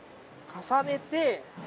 重ねて。